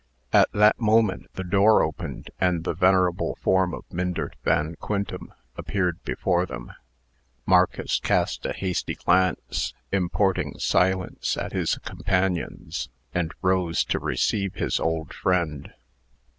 At that moment the door opened, and the venerable form of Myndert Van Quintem appeared before them. Marcus cast a hasty glance, importing silence, at his companions, and rose to receive his old friend.